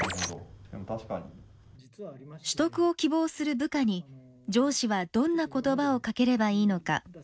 取得を希望する部下に上司はどんな言葉をかければいいのか。